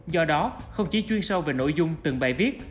do đó không chỉ chuyên sâu về nội dung từng bài viết